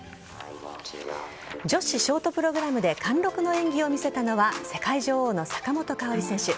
女子ショートプログラムで貫禄の演技を見せたのは世界女王の坂本花織選手。